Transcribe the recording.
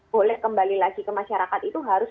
boleh kembali lagi ke masyarakat itu harus